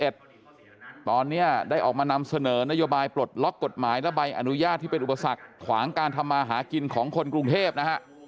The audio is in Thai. ตอนนี้ได้ออกมานำเสนอนโยบายปลดล็อกกฎหมายและใบอนุญาตที่เป็นอุปสรรคขวางการทำมาหากินของคนกรุงเทพนะฮะ